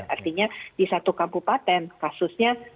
artinya di satu kabupaten kasusnya